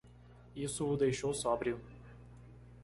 Isso o deixou sóbrio.